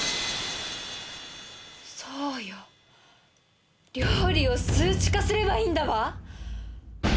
そうよ、料理を数値化すればいいんだわ。